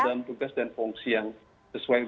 tetapi tetap dalam tugas dan fungsi yang baik